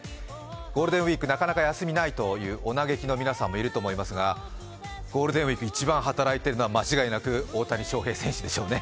ゴールデンウイークなかなか休みがないとお嘆きの方いると思いますがゴールデンウイーク一番働いているのは、間違いなく大谷翔平選手でしょうね。